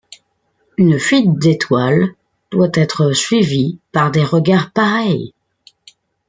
Une fuite d’étoile doit être suivie par des regards pareils.